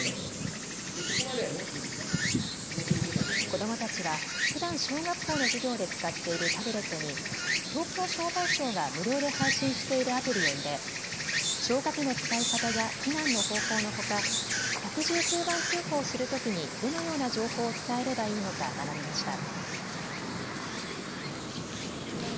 子どもたちはふだん小学校の授業で使っているタブレットに東京消防庁が無料で配信しているアプリを入れ、消火器の使い方や避難の方法のほか１１９番通報するときにどのような情報を伝えればいいのか学びました。